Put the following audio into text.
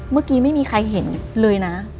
เมื่อกี้ไม่มีใครเห็นเลยนะ